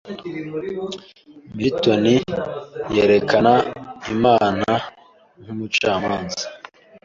Milton yerekana Imana nk'umucamanza